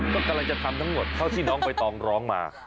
ก็กำลังจะทำทั้งหมดเท่าที่น้องใบตองร้องมา